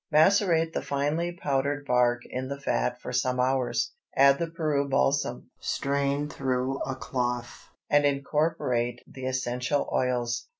Macerate the finely powdered bark in the fat for some hours, add the Peru balsam, strain through a cloth, and incorporate the essential oils.